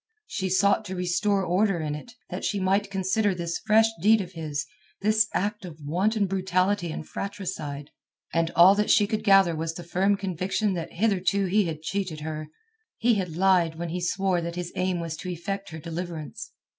She sought to restore order in it, that she might consider this fresh deed of his, this act of wanton brutality and fratricide. And all that she could gather was the firm conviction that hitherto he had cheated her; he had lied when he swore that his aim was to effect her deliverance.